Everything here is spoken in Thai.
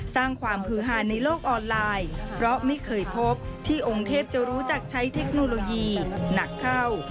สร้างความฮือฮาในโลกออนไลน์เพราะไม่เคยพบที่องค์เทพจะรู้จักใช้เทคโนโลยีหนักเข้า